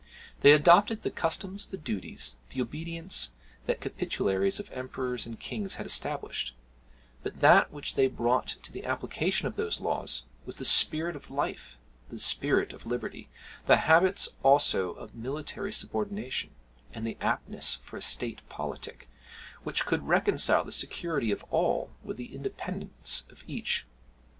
They adopted the customs, the duties, the obedience that the capitularies of emperors and kings had established; but that which they brought to the application of those laws, was the spirit of life, the spirit of liberty the habits also of military subordination, and the aptness for a state politic, which could reconcile the security of all with the independence of each.